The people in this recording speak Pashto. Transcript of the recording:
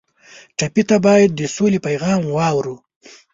ټپي ته باید د سولې پیغام واورو.